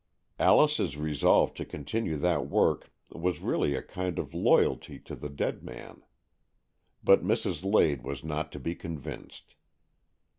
Alice's resolve to continue that work was really a kind of loyalty to the dead man. But Mrs. Lade was not to be convinced.